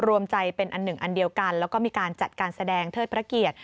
รวมใจเป็นอันหนึ่งอันเดียวกันแล้วก็มีการจัดการแสดงเทิดพระเกียรติ